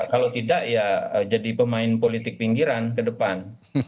kalau tidak ya jadi pemain politik pinggiran ke depan